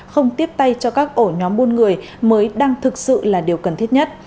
không tiếp tay cho các ổ nhóm buôn người mới đang thực sự là điều cần thiết nhất